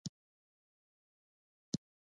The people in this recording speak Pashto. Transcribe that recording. کتابچه کې د ښو کارونو تمرین کېږي